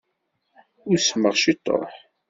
Usmeɣ ciṭuḥ.